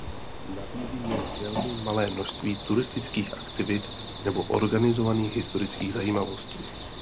Nabízí jen velmi malé množství turistických aktivit nebo organizovaných historických zajímavostí.